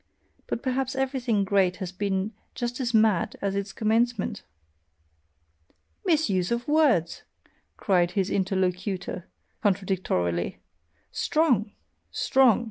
But perhaps everything great has been just as mad at its commencement!" "Misuse of words!" cried his interlocutor, contradictorily "strong! strong!